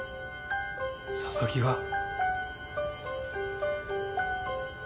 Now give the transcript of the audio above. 佐々木が？